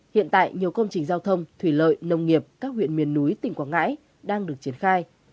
hiện tại nhiều công trình giao thông thủy lợi nông nghiệp các huyện miền núi tỉnh quảng ngãi đang được triển khai